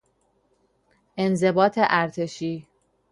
انضباط ارتشی